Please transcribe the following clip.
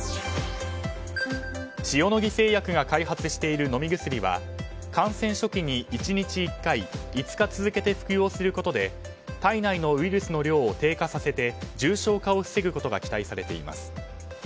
塩野義製薬が開発している飲み薬は感染初期に１日１回５日続けて服用することで体内のウイルスの量を低下させて重症化を防ぐことが期待されています。